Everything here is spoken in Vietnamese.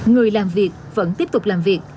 người làm việc vẫn tiếp tục làm việc